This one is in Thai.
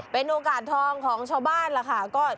เป็นโอกาสทองของชาวบ้านล่ะค่ะ